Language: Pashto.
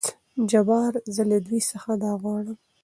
جبار : زه له دوي څخه دا غواړم.